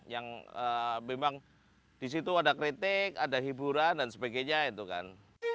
yang memang di situ ada kritik ada hiburan dan sebagainya itu kan